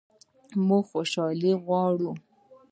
موږ خوشحالي غواړو